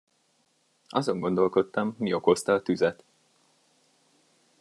Azon gondolkodtam, mi okozta a tüzet.